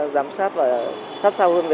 giám sát và sát sao hơn